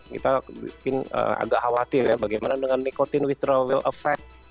kita agak khawatir ya bagaimana dengan nikotin withdrawal effect